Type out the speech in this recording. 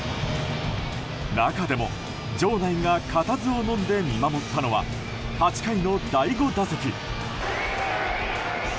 中でも場内が固唾をのんで見守ったのは８回の第５打席。